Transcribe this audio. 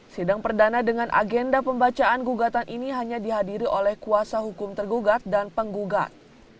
sidang perdana dengan agenda pembacaan gugatan ini hanya dihadiri oleh kuasa hukum tergugat dan penggugat